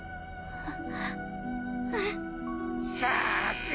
あっ。